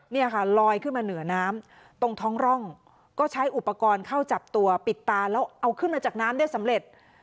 เนี่ยค่ะลอยขึ้นมาเหนือน้ำตรงท้องร่องก็ใช้อุปกรณ์เข้าจับตัวปิดตาแล้วเอาขึ้นมาจากน้ำได้สำเร็จ